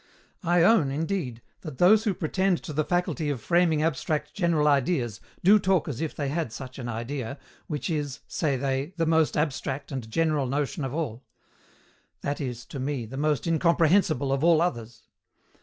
I own, indeed, that those who pretend to the faculty of framing abstract general ideas do talk as if they had such an idea, which is, say they, the most abstract and general notion of all; that is, to me, the most incomprehensible of all others.